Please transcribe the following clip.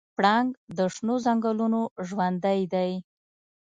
پړانګ د شنو ځنګلونو ژوندی دی.